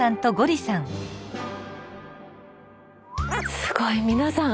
すごい皆さん